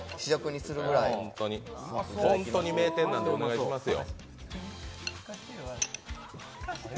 本当に名店なんでお願いしますよ。